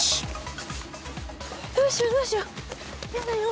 どうしよう？